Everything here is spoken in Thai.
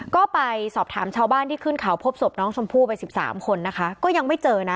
ก็ไปสอบถามชาวบ้านที่ขึ้นเขาพบศพน้องชมพู่ไป๑๓คนนะคะก็ยังไม่เจอนะ